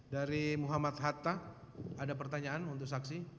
dari muhammad hatta ada pertanyaan untuk saksi